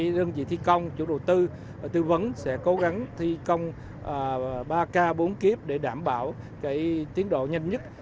đơn vị thi công chủ đầu tư tư vấn sẽ cố gắng thi công ba k bốn kip để đảm bảo tiến độ nhanh nhất